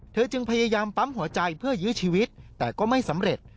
จึงพยายามปั๊มหัวใจเพื่อยื้อชีวิตแต่ก็ไม่สำเร็จ